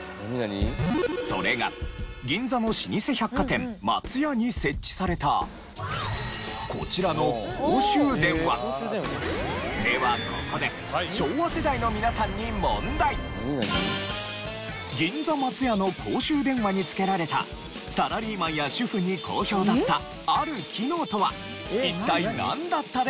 それが銀座の老舗百貨店松屋に設置されたこちらのではここで銀座松屋の公衆電話につけられたサラリーマンや主婦に好評だったある機能とは一体なんだったでしょう？